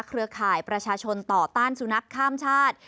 เครือข่ายประชาชนต่อต้านสุนัขข้ามชาติ